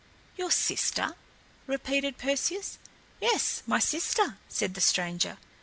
"Your sister?" repeated Perseus. "Yes, my sister," said the stranger.